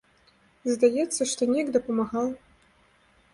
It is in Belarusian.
Здаецца, што неяк дапамагаю.